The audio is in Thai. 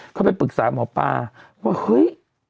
เขาไปปรึกษาหมอปลาว่าเฮ้ย